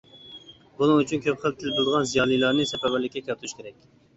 بۇنىڭ ئۈچۈن كۆپ خىل تىل بىلىدىغان زىيالىيلارنى سەپەرۋەرلىككە كەلتۈرۈش كېرەك.